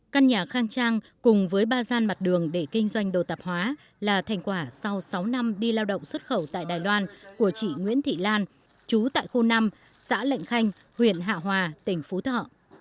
căn nhà khang trang cùng với ba gian mặt đường để kinh doanh đồ tạp hóa là thành quả sau sáu năm đi lao động xuất khẩu tại đài loan của chị nguyễn thị lan chú tại khu năm xã lệnh khanh huyện hạ hòa tỉnh phú thọ